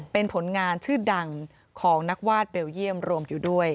เป็นผลงานชื่อดังของนักวาดเบลเยี่ยมรวมอยู่ด้วย